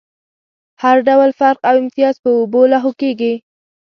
هر ډول فرق او امتياز په اوبو لاهو کېږي.